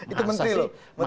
itu menteri loh menteri